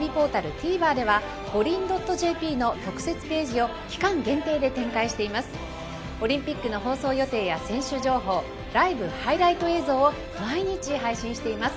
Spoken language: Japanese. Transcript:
ＴＶｅｒではｇｏｒｉｎ．ｊｐの特設ページを期間限定で展開しています。